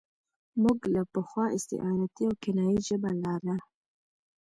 موږ له پخوا استعارتي او کنايي ژبه لاره.